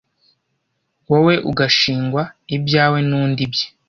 wowe ugashingwa ibyawe nundi ibye